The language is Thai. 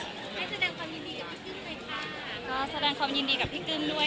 ให้แสดงความยินดีกับพี่กึ้มด้วยค่ะ